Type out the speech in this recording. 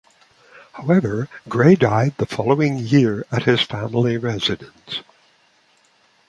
However, Grey died the following year at his family residence.